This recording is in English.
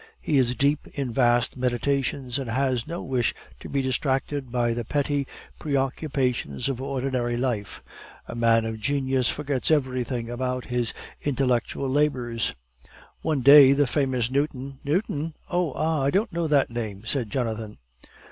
He is deep in vast meditations, and has no wish to be distracted by the petty preoccupations of ordinary life. A man of genius forgets everything among his intellectual labors. One day the famous Newton " "Newton? oh, ah! I don't know the name," said Jonathan.